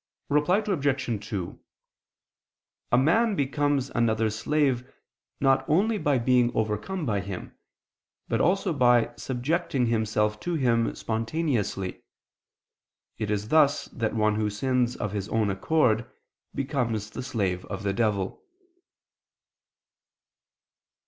Reply Obj. 2: A man becomes another's slave not only by being overcome by him, but also by subjecting himself to him spontaneously: it is thus that one who sins of his own accord, becomes the slave of the devil.